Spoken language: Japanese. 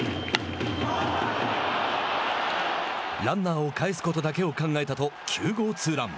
ランナーを帰すことだけを考えたと９号ツーラン。